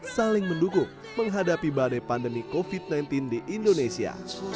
saling mendukung menghadapi badai pandemi covid sembilan belas di indonesia